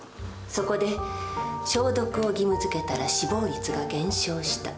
そこで消毒を義務づけたら死亡率が減少した。